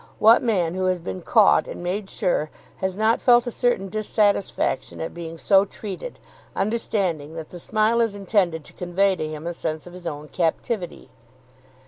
What man, who has been caught and made sure, has not felt a certain dissatisfaction at being so treated, understanding that the smile is intended to convey to him a sense of his own captivity?